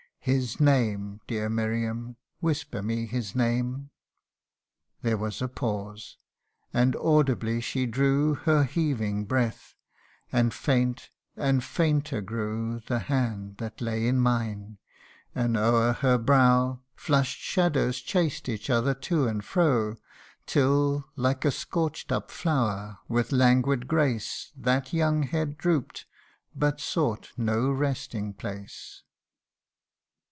His name, dear Miriam whisper me his name.' There was a pause, and audibly she drew Her heaving breath ; and faint and fainter grew The hand that lay in mine ; and o'er her brow Flush 'd shadows chased each other to and fro : Till like a scorch 'd up flower, with languid grace That young head droop 'd, but sought no resting place.